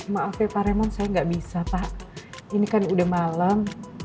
maaf ya pak remon saya nggak bisa pak ini kan udah malam